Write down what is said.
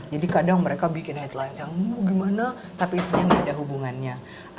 jadi kadang mereka bikin headlines yang gimana tapi sebenarnya gak ada hubungannya